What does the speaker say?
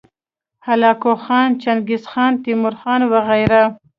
هلاکو خان، چنګیزخان، تیمورخان وغیره